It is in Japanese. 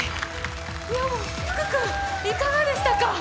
福くん、いかがでしたか？